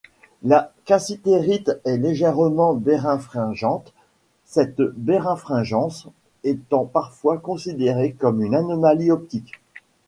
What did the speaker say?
La cassitérite est légèrement biréfringente, cette biréfringence étant parfois considérée comme une anomalie optique.